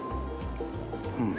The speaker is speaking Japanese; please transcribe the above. うん。